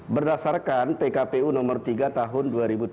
berdasarkan pkpu nomor tiga tahun dua ribu tujuh belas